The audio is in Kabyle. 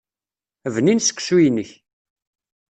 Bnin seksu-inek.